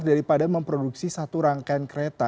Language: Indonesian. daripada memproduksi satu rangkaian kereta